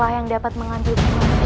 yang dapat mengantuk